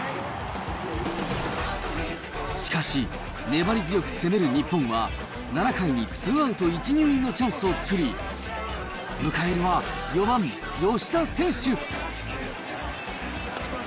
しかし、粘り強く攻める日本は、７回にツーアウト１、２塁のチャンスを作り、迎えるは４番吉田選手。